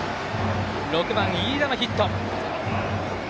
６番、飯田のヒット。